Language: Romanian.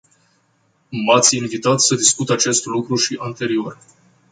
M-ați invitat să discut acest lucru și anterior.